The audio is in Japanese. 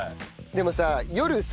でもさ夜さ